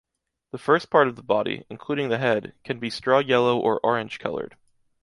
The first part of the body, including the head, can be straw yellow or orange-coloured.